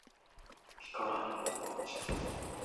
木からりんごが落ちた